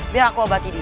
biar aku obati dia